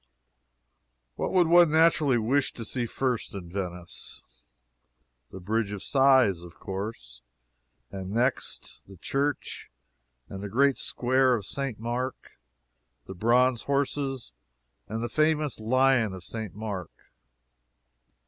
What would one naturally wish to see first in Venice? The Bridge of Sighs, of course and next the Church and the Great Square of St. Mark, the Bronze Horses, and the famous Lion of St. Mark.